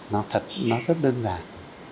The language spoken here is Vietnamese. nó thật nó rất đơn giản